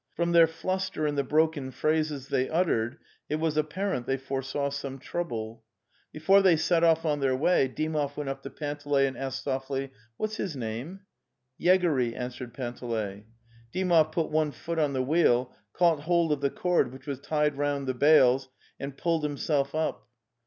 From their fluster and the broken phrases they uttered it was apparent they foresaw some trouble. Before they set off on their way, Dymov went up to Panteley and asked softly: 'What's his name?" " Yegory," answered Panteley. Dymovy put one foot on the wheel, caught hold of the cord which was tied round the bales and pulled himself up.